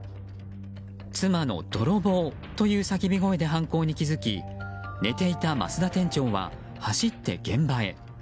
妻の泥棒という叫び声で犯行に気づき寝ていた増田店長は走って現場へ。